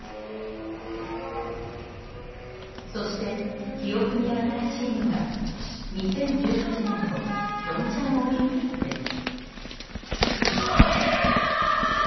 そして、記憶に新しいのが２０１８年の平昌オリンピックです。